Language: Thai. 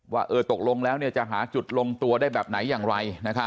ว่าเออตกลงแล้วเนี่ยจะหาจุดลงตัวได้แบบไหนอย่างไรนะครับ